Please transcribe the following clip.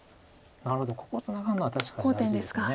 なるほどここはツナがるのは確かに大事です。